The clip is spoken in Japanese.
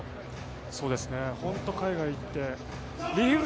本当に海外に行ってリリーフ